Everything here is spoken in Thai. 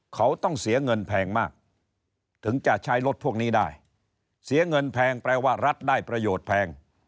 เขาต้องเสียเงินแพงมากถึงจะใช้รถพวกนี้ได้เสียเงินแพงแปลว่ารัฐได้ประโยชน์แพง